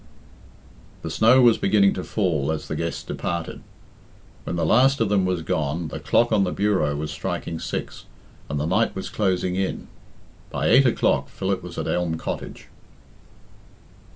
The snow was beginning to fall as the guests departed. When the last of them was gone, the clock on the bureau was striking six, and the night was closing in. By eight o'clock Philip was at Elm Cottage.